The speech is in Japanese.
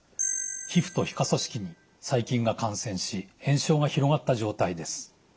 皮膚と皮下組織に細菌が感染し炎症が広がった状態です。